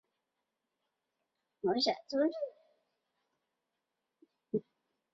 石晓云南大理人。